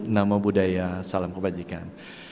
nama budaya salam kebajikan